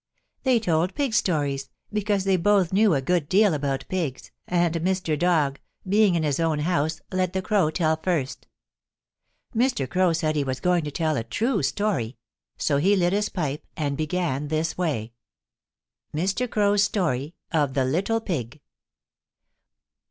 They told pig stories because they both knew a good deal about pigs, and Mr. Dog, being in his own house, let the Crow tell first. Mr. Crow said he was going to tell a true story, so he lit his pipe and began this way: MR. CROW'S STORY OF THE LITTLE PIG.